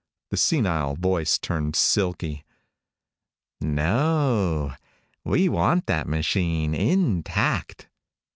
The senile voice turned silky. "No, we want that machine intact."